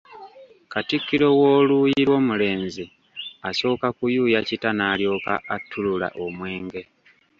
Katikkiro w’oluuyi lw’omulenzi, asooka kuyuuya kita n’alyoka attulula omwenge.